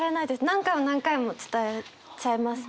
何回も何回も伝えちゃいますね。